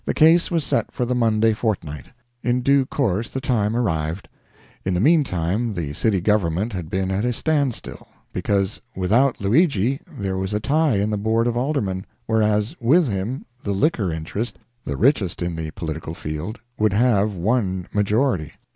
The case was set for the Monday fortnight. In due course the time arrived. In the mean time the city government had been at a standstill, because without Luigi there was a tie in the board of aldermen, whereas with him the liquor interest the richest in the political field would have one majority.